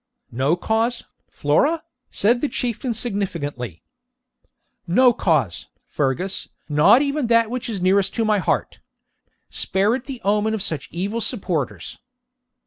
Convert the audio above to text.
'No cause, Flora?' said the Chieftain significantly. 'No cause, Fergus! not even that which is nearest to my heart. Spare it the omen of such evil supporters!'